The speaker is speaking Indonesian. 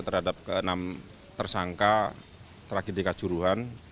terhadap enam tersangka tragedi kasuruhan